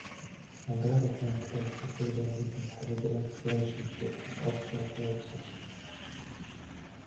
On the other hand, the circadian rhythm has a direct relationship with osteoporosis.